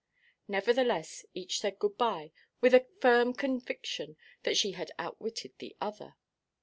Nevertheless, each said good–bye with a firm conviction that she had outwitted the other.